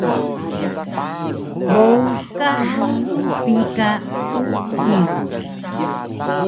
Bowqax bi ka Uking